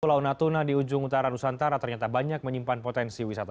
pulau natuna di ujung utara nusantara ternyata banyak menyimpan potensi wisata